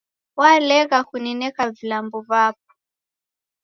Walegha kunineka vilambo vapo